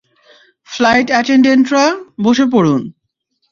Flight অ্যাটেনডেন্টরা, বসে পড়ুন।